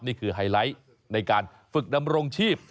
นี่คือไฮไลท์ในการฝึกดำรงชีพ